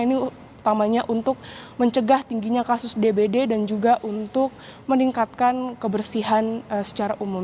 ini utamanya untuk mencegah tingginya kasus dbd dan juga untuk meningkatkan kebersihan secara umum